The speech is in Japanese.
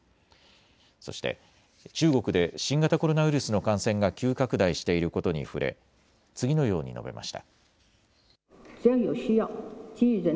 そして中国で新型コロナウイルスの感染が急拡大していることに触れ、次のように述べました。